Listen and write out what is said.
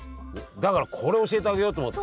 だからこれ教えてあげようと思って。